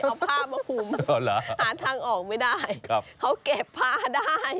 เอาผ้ามาคุมหาทางออกไม่ได้เขาเก็บผ้าได้